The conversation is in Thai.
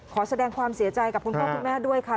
ขอแสดงความเสียใจกับคุณพ่อคุณแม่ด้วยค่ะ